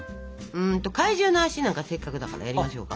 怪獣の足なんかせっかくだからやりましょうか？